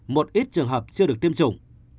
một ít trường hợp chưa được tiêm chủng